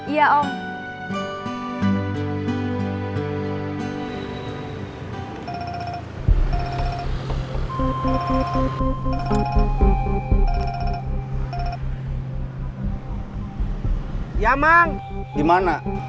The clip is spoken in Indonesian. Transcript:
ya udah kita pulang dulu aja